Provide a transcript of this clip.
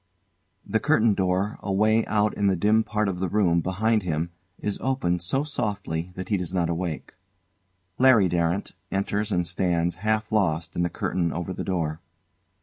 [The curtained door away out in the dim part of the room behind him is opened so softly that he does not wake. LARRY DARRANT enters and stands half lost in the curtain over the door.